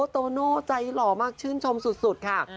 โตโน่ใจหล่อมากชื่นชมสุดค่ะ